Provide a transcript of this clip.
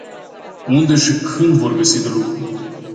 Unde și când vor găsi de lucru?